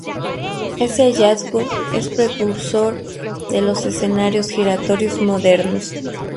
Ese hallazgo es precursor de los escenarios giratorios modernos.